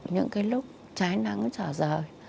những cái lúc trái nắng trở rời